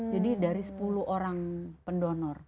jadi dari sepuluh orang pendonor